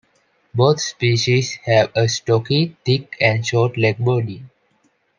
Both species have a stocky, thick, and short-legged body.